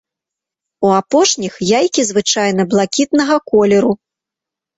У апошніх яйкі звычайна блакітнага колеру.